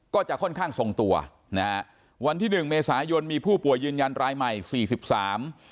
ก็จะค่อนข้างทรงตัววันที่๑เมษายนมีผู้ป่วยยืนยันรายใหม่๔๓